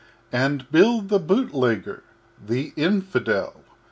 _] XIV And Bill the Bootlegger the Infidel!